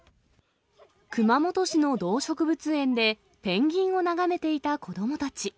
熊本市の動植物園で、ペンギンを眺めていた子どもたち。